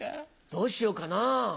どうしようかな？